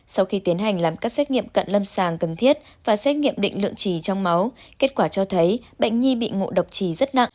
sau khi tiến hành làm các xét nghiệm cận lâm sàng cần thiết và xét nghiệm định lượng trì trong máu kết quả cho thấy bệnh nhi bị ngộ độc trì rất nặng